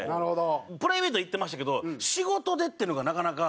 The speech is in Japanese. プライベートで行ってましたけど仕事でっていうのがなかなか。